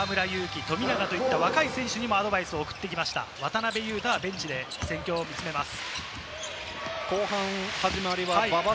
若い選手にもアドバイスを送ってきました、渡邊雄太、ベンチで戦況を見つめます。